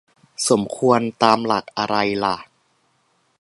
"สมควร" ตามหลักอะไรล่ะ